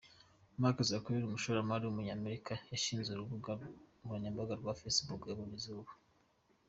Mark Zuckerberg, umushoramari w’umunyamerika washinze urubuga nkoranyambaga rwa Facebook yabonye izuba.